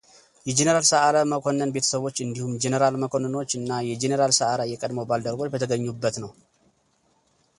የጀኔራል ሰዓረ መኮንን ቤተሰቦች እንዲሁም ጀነራል መኮንኖች እና የጀኔራል ሰዓረ የቀድሞ ባልደረቦች በተገኙበት ነው፡፡